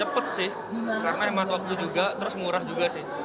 karena emat waktu juga terus murah juga sih